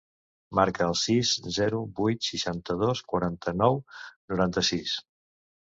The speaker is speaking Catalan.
Marca el sis, zero, vuit, seixanta-dos, quaranta-nou, noranta-sis.